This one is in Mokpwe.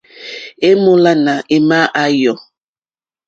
È mólánà émá à yɔ̌.